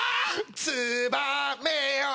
「つばめよ」